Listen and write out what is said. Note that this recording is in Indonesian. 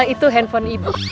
itu handphone ibu